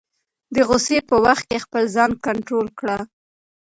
د غصې په وخت کې خپل ځان کنټرول کړه.